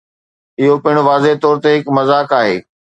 اهو پڻ واضح طور تي هڪ مذاق آهي.